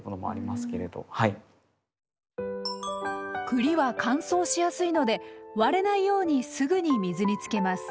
栗は乾燥しやすいので割れないようにすぐに水につけます。